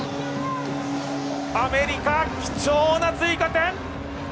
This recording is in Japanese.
アメリカ、貴重な追加点！